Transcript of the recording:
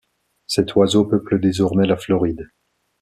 Cet oiseau peuple désormais la Floride.